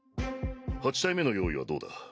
８体目の用意はどうだ？